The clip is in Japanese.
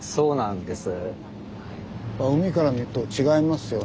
あそうなんです。